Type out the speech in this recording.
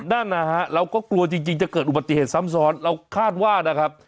นั่นนะฮะเราก็กลัวจริงจะเกิดอุบัติเหตุซ้ำซ้อนเราคาดว่านะครับ